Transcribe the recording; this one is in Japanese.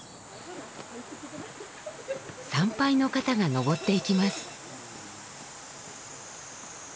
参拝の方が上っていきます。